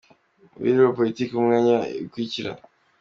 biro politiki ku myanya ikurikira :